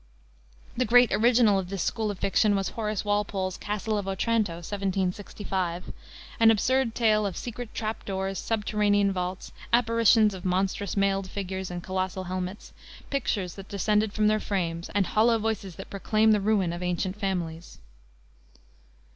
The great original of this school of fiction was Horace Walpole's Castle of Otranto, 1765, an absurd tale of secret trap doors, subterranean vaults, apparitions of monstrous mailed figures and colossal helmets, pictures that descend from their frames, and hollow voices that proclaim the ruin of ancient families.